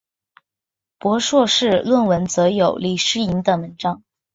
博硕士论文则有李诗莹等文章。